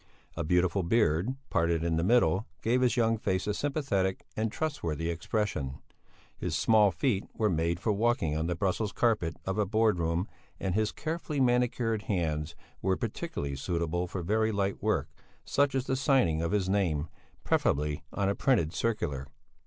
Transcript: A beautiful beard, parted in the middle, gave his young face a sympathetic and trustworthy expression; his small feet were made for walking on the Brussels carpet of a Board room, and his carefully manicured hands were particularly suitable for very light work, such as the signing of his name, preferably on a printed circular.